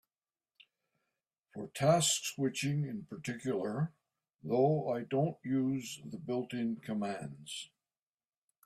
For task switching in particular, though, I don't use the built-in commands.